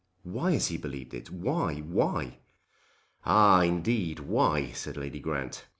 "Why has he believed it? Why; why?" "Ah indeed; why?" said Lady Grant.